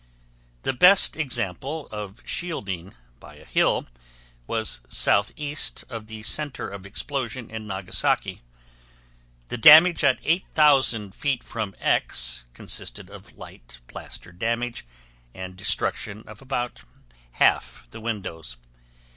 The best example of shielding by a hill was southeast of the center of explosion in Nagasaki. The damage at 8,000 feet from X consisted of light plaster damage and destruction of about half the windows.